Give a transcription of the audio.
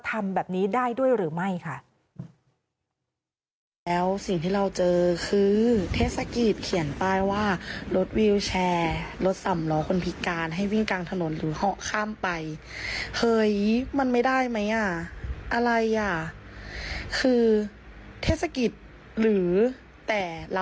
ทำแบบนี้ได้ด้วยหรือไม่ค่ะ